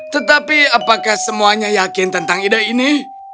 tetapi apakah semuanya yakin tentang ide ini